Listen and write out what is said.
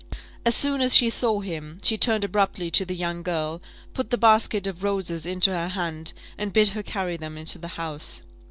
As soon as she saw him, she turned abruptly to the young girl, put the basket of roses into her hand, and bid her carry them into the house.